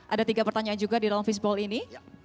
ada tiga pertanyaan juga di dalam fishball ini